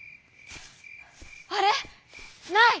「あれ？ない！